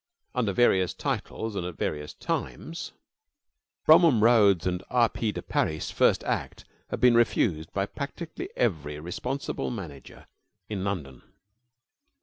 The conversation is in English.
Under various titles and at various times, Bromham Rhodes' and R. P. de Parys' first act had been refused by practically every responsible manager in London.